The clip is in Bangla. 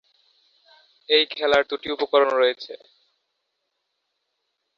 এই খেলার দুটি উপকরণ রয়েছে।